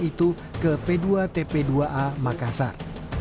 itu ke p dua tp dua a makassar